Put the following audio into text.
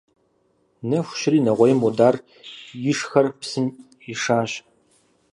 Нэху щыри нэгъуейм Мудар ишхэр псым ишащ.